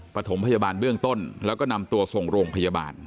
ประถมพยาบาลเบื้องต้นแล้วก็นำตัวส่งโรงพยาบาล